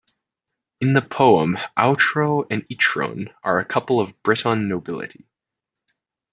In the poem, Aotrou and Itroun are a couple of Breton nobility.